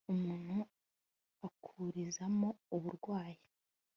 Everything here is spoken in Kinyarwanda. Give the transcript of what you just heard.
umuntu akurizamo uburwayi